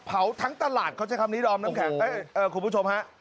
ทั้งตลาดเขาใช้คำนี้ดอมน้ำแข็งคุณผู้ชมฮะ